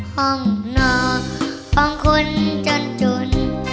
ห้องนอกของคนจนจน